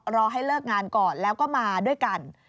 รอให้เลิกงานก่อนแล้วก็มาด้วยกัน